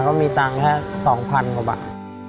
ก็มีตังค์แค่๒๐๐๐กว่าบาท